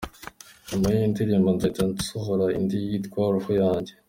Nyuma y’iyi ndirimbo nzahita nsohora indi yitwa ‘Roho yanjye’”.